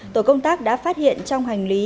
tổ công tác đã phát hiện trong hành lý